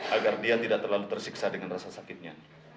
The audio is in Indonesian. agar dia tidak terlalu tersiksa dengan rasa sakitnya